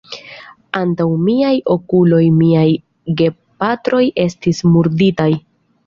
Antaŭ miaj okuloj miaj gepatroj estis murditaj.